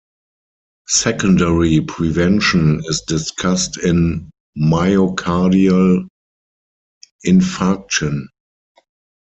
Secondary prevention is discussed in myocardial infarction.